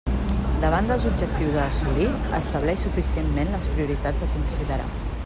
Davant dels objectius a assolir, estableix suficientment les prioritats a considerar.